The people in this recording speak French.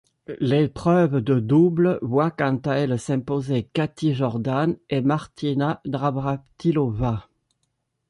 L'épreuve de double voit quant à elle s'imposer Kathy Jordan et Martina Navrátilová.